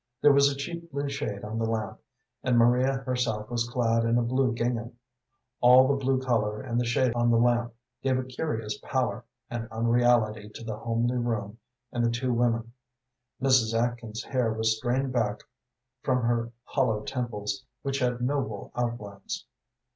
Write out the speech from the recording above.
There was a cheap blue shade on the lamp, and Maria herself was clad in a blue gingham. All the blue color and the shade on the lamp gave a curious pallor and unreality to the homely room and the two women. Mrs. Atkins's hair was strained back from her hollow temples, which had noble outlines.